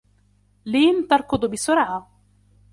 لين تركض بسرعة.